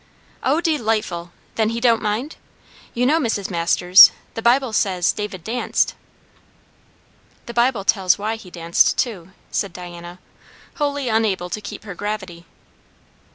"O, delightful! then he don't mind? You know, Mrs. Masters, the Bible says David danced." "The Bible tells why he danced, too," said Diana, wholly unable to keep her gravity.